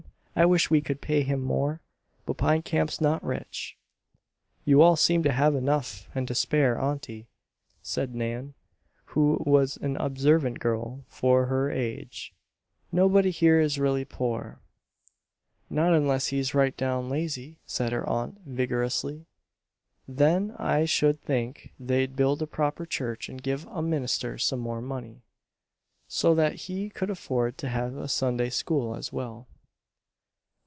I wish we could pay him more; but Pine Camp's not rich." "You all seem to have enough and to spare, Auntie," said Nan, who was an observant girl for her age. "Nobody here is really poor." "Not unless he's right down lazy," said her aunt, vigorously. "Then I should think they'd build a proper church and give a minister some more money, so that he could afford to have a Sunday School as well."